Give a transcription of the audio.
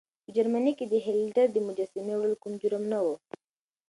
په جرمني کې د هېټلر د مجسمې وړل کوم جرم نه و.